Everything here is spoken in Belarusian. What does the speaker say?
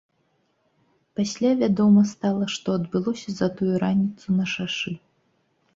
Пасля вядома стала, што адбылося за тую раніцу на шашы.